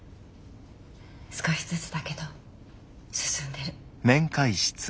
少しずつだけど進んでる。